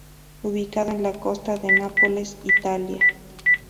Ubicado en la costa de Nápoles, Italia.